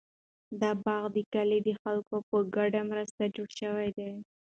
دا باغ د کلي د خلکو په ګډه مرسته جوړ شوی دی.